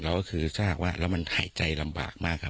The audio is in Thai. แล้วก็คือถ้าหากว่าแล้วมันหายใจลำบากมากครับ